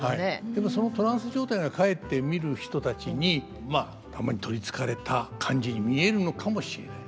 でもそのトランス状態がかえって見る人たちに玉に取りつかれた感じに見えるのかもしれない。